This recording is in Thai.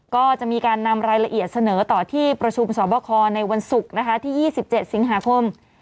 ก็จะมีการนำรายละเอียดเสนอต่อที่ประชุมสอบคอในวันศุกร์นะคะที่๒๗สิงหาคม